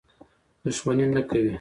دښمني نه کوي.